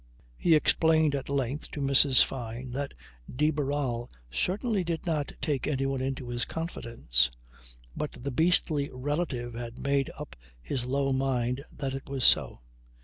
He explained at length to Mrs. Fyne that de Barral certainly did not take anyone into his confidence. But the beastly relative had made up his low mind that it was so.